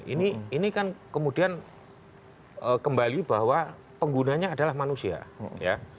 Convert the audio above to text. ini kan kemudian kembali bahwa penggunanya adalah manusia ya